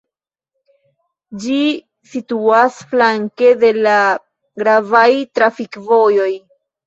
Ĝi situas flanke de la gravaj trafikvojoj.